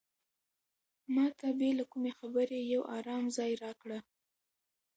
ما ته بې له کومې خبرې یو ارام ځای راکړه.